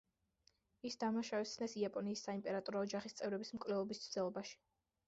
ის დამნაშავედ სცნეს იაპონიის საიმპერატორო ოჯახის წევრების მკვლელობის მცდელობაში.